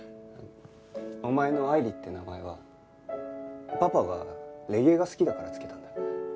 お前の「愛理」って名前はパパがレゲエが好きだから付けたんだ。